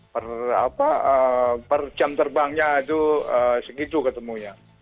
jadi per jam terbangnya itu segitu ketemunya